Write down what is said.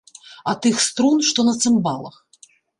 А тых струн, што на цымбалах.